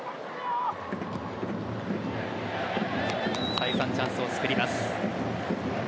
再三、チャンスをつくります。